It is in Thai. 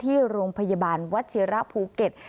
ที่โรงพยาบาลวัชิระภูเก็ต